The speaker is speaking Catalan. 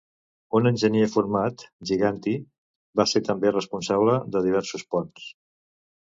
Un enginyer format, Giganti, va ser també responsable de diversos ponts.